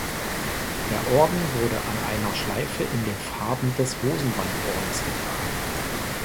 Der Orden wurde an einer Schleife in den Farben des Hosenbandordens getragen.